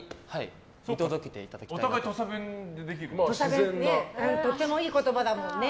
弁とてもいい言葉だもんね。